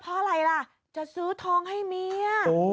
เพราะอะไรล่ะจะซื้อทองให้เมีย